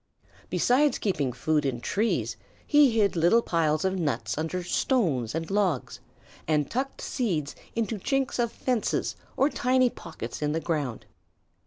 Besides keeping food in the trees, he hid little piles of nuts under stones and logs, and tucked seeds into chinks of fences or tiny pockets in the ground.